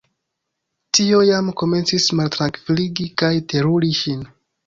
Tio jam komencis maltrankviligi kaj teruri ŝin.